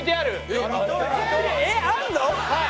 えっあんの！？